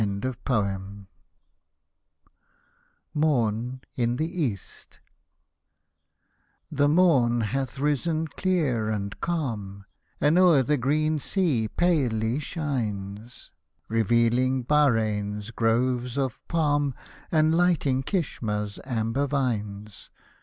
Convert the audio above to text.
Hosted by Google 138 LALLA ROOKH MORN IN THE EAST The morn hath risen clear and cahn, And o'er the Green Sea palely shines, ReveaUng Bahrein's groves of palm, And lighting Kishma's amber vines.